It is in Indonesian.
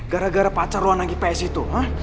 gara gara pacar lo anak ips itu ha